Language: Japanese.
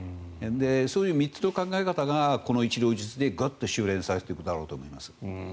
そういう３つの考え方がこの一両日でぐっと収れんされていくだろうと思います。